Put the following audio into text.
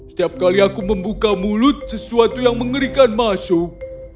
setiap kali aku membuka mulut sesuatu yang mengerikan masuk